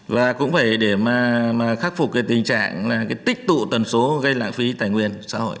và cũng phải để mà khắc phục cái tình trạng tích tụ tần số gây lãng phí tài nguyên